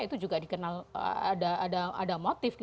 itu juga dikenal ada motif